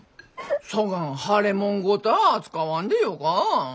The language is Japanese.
そがん腫れもんごた扱わんでよか。